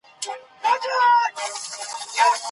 که ته نېک سړی یې نو ستا مننه به دي ملګرې وي.